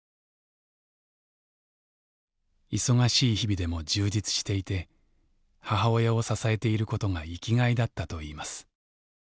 忙しい日々でも充実していて母親を支えていることが生きがいだったといいます。